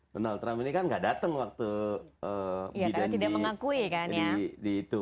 donald trump ini kan gak datang waktu biden di itu